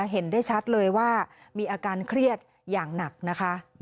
เห็นได้ชัดเลยว่ามีอาการเครียดอย่างหนักนะคะ